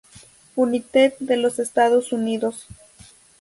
United de los Estados Unidos.